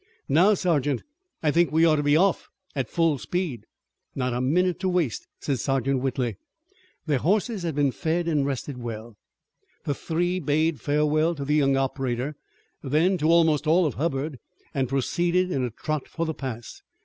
"Now, sergeant, I think we ought to be off at full speed." "Not a minute to waste," said Sergeant Whitley. Their horses had been fed and were rested well. The three bade farewell to the young operator, then to almost all of Hubbard and proceeded in a trot for the pass.